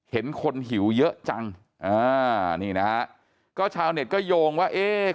เห็นคนหิวเยอะจังอ่านี่นะฮะก็ชาวเน็ตก็โยงว่าเอ๊ะ